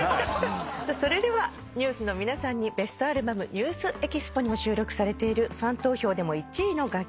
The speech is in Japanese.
それではＮＥＷＳの皆さんにベストアルバム『ＮＥＷＳＥＸＰＯ』にも収録されているファン投票でも１位の楽曲